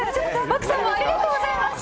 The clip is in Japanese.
金子さんありがとうございます。